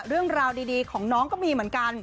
เรื่องราวดีของน้องก็มีเหมือนกัน